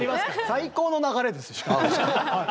最高の流れですか？